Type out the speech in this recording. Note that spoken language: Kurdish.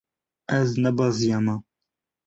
Ez nebeziyame.